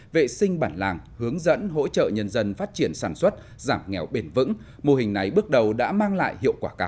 vệ sinh bản làng hướng dẫn hỗ trợ nhân dân phát triển sản xuất giảm nghèo bền vững mô hình này bước đầu đã mang lại hiệu quả cao